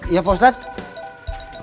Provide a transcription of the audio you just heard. iya pak ustadz